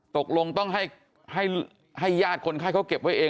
ตกลงต้องให้ญาติคนไข้เขาเก็บไว้เอง